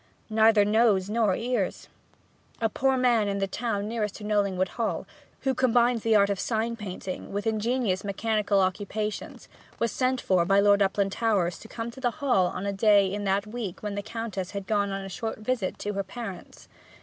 'Neither nose nor ears!' A poor man in the town nearest to Knollingwood Hall, who combined the art of sign painting with ingenious mechanical occupations, was sent for by Lord Uplandtowers to come to the Hall on a day in that week when the Countess had gone on a short visit to her parents.